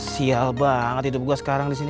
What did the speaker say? siyaal banget hidup gue sekarang disini